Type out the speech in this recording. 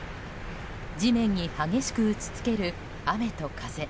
地面に激しく打ち付ける雨と風。